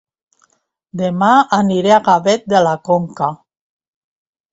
Dema aniré a Gavet de la Conca